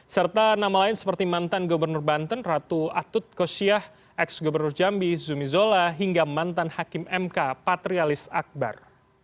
serta nama lain seperti mantan gubernur banten ratu atut kosyah ex gubernur jambi zumi zola hingga mantan hakim mk patrialis akbar